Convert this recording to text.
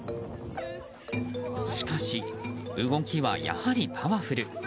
しかし、動きはやはりパワフル。